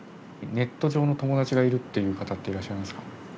ネット上の友達がいるっていう方っていらっしゃいますか？